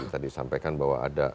tadi disampaikan bahwa ada